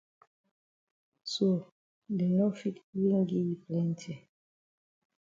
So dey no fit even gi yi plenti.